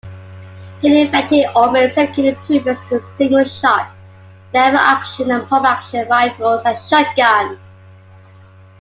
He invented or made significant improvements to single-shot, lever-action, and pump-action, rifles and shotguns.